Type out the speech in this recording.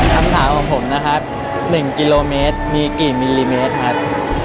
คำถามของผมนะครับ๑กิโลเมตรมีกี่มิลลิเมตรครับ